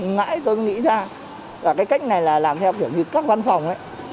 ngãi tôi nghĩ ra cái cách này là làm theo kiểu như các văn phòng